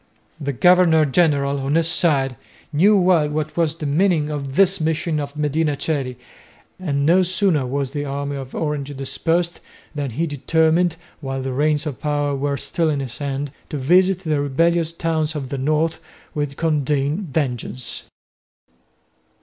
The governor general, on his side, knew well what was the meaning of this mission of Medina Coeli, and no sooner was the army of Orange dispersed than he determined, while the reins of power were still in his hands, to visit the rebellious towns of the north with condign vengeance.